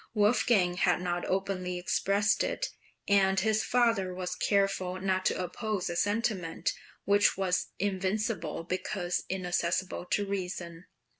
Wolfgang had not openly expressed it, and his father was careful not to oppose a sentiment which was invincible because inaccessible to reason.